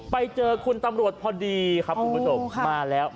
ไปเจอคุณตำรวจพอดีครับคุณประจก